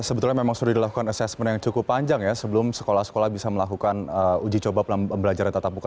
sebetulnya memang sudah dilakukan assessment yang cukup panjang ya sebelum sekolah sekolah bisa melakukan uji coba pembelajaran tatap muka